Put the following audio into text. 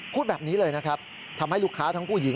โทษทีโทษทีโทษที